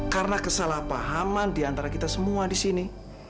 karena kesalahpahaman di antara kita semua di sini